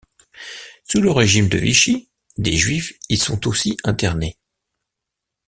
Sous le régime de Vichy, des Juifs y sont aussi internés.